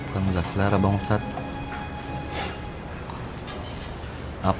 kamu gak selera bang ustadz